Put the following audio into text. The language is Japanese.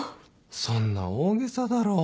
そんな大げさだろ。